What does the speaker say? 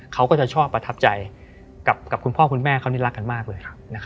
เขาก็จะชอบประทับใจกับคุณพ่อคุณแม่เขานี่รักกันมากเลย